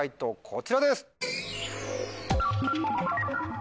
こちらです。